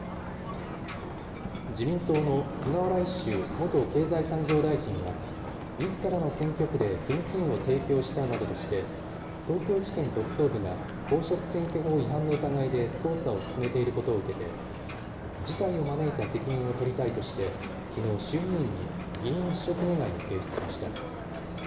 自民党の菅原一秀元経済産業大臣はみずからの選挙区で現金を提供したなどとして東京地検特捜部が公職選挙法違反の疑いで捜査を進めていることを受けて事態を招いた責任を取りたいとしてきのう衆議院に議員辞職願を提出しました。